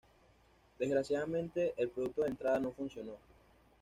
Desgraciadamente, el producto de entrada no funcionó.